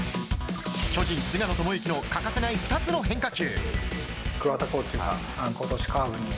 巨人・菅野智之の欠かせない２つの変化球。